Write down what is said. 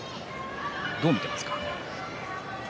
どう見ていますか。